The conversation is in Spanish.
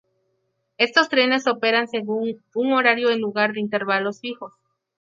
Estos trenes operan según un horario en lugar de intervalos fijos.